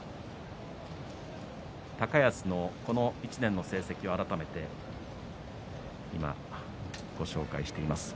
高安のこの１年の成績を改めて今ご紹介しています。